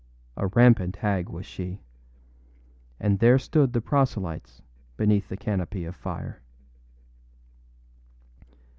A rampant hag was she. And there stood the proselytes beneath the canopy of fire.